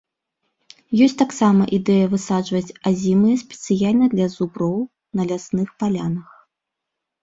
Ёсць таксама ідэя высаджваць азімыя спецыяльна для зуброў на лясных палянах.